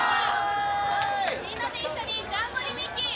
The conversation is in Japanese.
みんなで一緒にジャンボリミッキー！